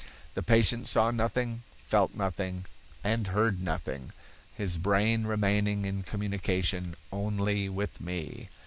The patient saw nothing, felt nothing, and heard nothing, his brain remaining in communication only with me.